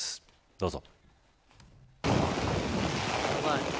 どうぞ。